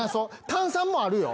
炭酸もあるよ。